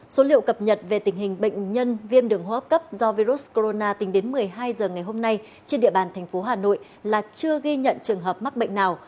số liệu cập nhật về tình hình bệnh nhân viêm đường hô hấp cấp do virus corona tính đến một mươi hai h ngày hôm nay trên địa bàn thành phố hà nội là chưa ghi nhận trường hợp mắc bệnh nào